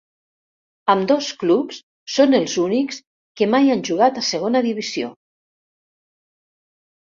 Ambdós clubs són els únics que mai han jugat a segona divisió.